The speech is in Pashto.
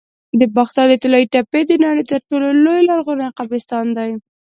د باختر د طلایی تپې د نړۍ تر ټولو لوی لرغوني قبرستان دی